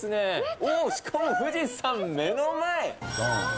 おー、しかも富士山、目の前。